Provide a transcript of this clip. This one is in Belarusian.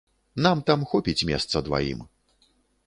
Нам там хопіць месца дваім.